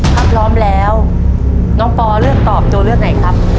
ถ้าพร้อมแล้วน้องปอเลือกตอบตัวเลือกไหนครับ